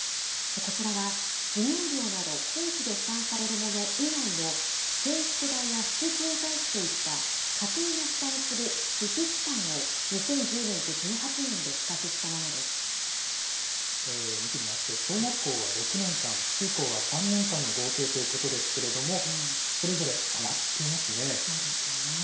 こちらは、授業料など公費で負担されるもの以外の制服代や副教材費といった家庭が負担する私費負担を、２０１０年と１８年で比較したもので見てみますと、小学校は６年間、中高は３年間の合計ということですけれども、それぞれ上がっそうですよね。